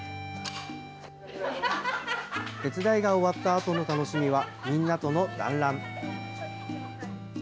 手伝いが終わったあとの楽しみは、みんなとの団らん。